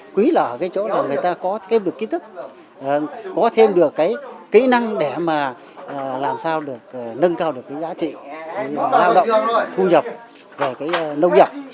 quý là chỗ người ta có thêm được kỹ thức có thêm được kỹ năng để làm sao nâng cao được giá trị lao động thu nhập về nông nghiệp